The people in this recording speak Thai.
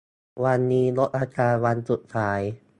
วันนี้ลดราคาวันสุดท้าย